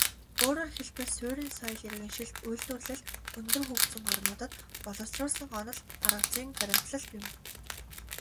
Өөрөөр хэлбэл, суурин соёл иргэншилт, үйлдвэрлэл өндөр хөгжсөн орнуудад боловсруулсан онол аргазүйн баримтлал юм.